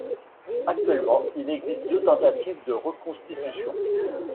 Actuellement, il existe deux tentatives de reconstitutions.